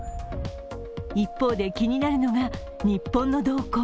一方で、気になるのが日本の動向。